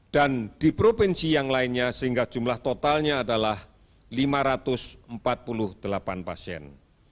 dan di provinsi yang lainnya sehingga jumlah totalnya adalah lima ratus empat puluh delapan pasien